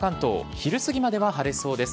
昼すぎまでは晴れそうです。